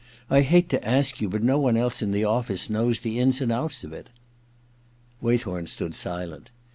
I hate to ask. you, but no one else in the office knows the ins and outs of it* Waythorn stood silent.